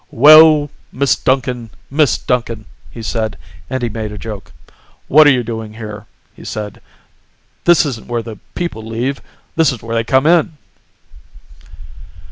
"Well, Miss Duncan! Miss Duncan!" he said, and he made a joke. "What are you doing here?" he said. "This isn't where the people leave. This is where they come in!"